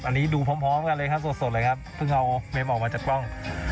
อันนี้ดูพร้อมกันเลยครับสดเลยครับเพิ่งเอาเมมออกมาจากกล้อง